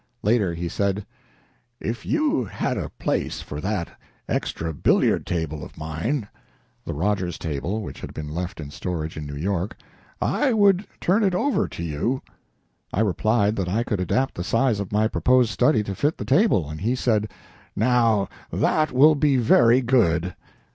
Later he said: "If you had a place for that extra billiard table of mine" (the Rogers table, which had been left in storage in New York), "I would turn it over to you." I replied that I could adapt the size of my proposed study to fit the table, and he said: "Now that will be very good.